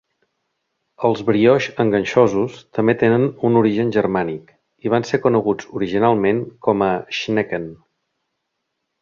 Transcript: Els brioix enganxosos també tenen un origen germànic i van ser coneguts originalment com a "Schnecken".